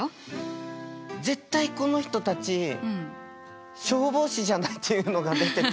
絶対この人たち消防士じゃないっていうのが出てて。